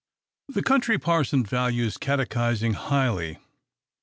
The Country Parson values catechising highly.